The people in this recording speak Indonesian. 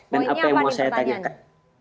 apa yang mau saya tanyakan